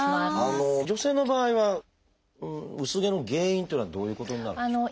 女性の場合は薄毛の原因っていうのはどういうことになるんでしょう？